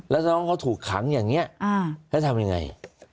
แล้วน้องเขาถูกขังอย่างนี้แล้วทำยังไง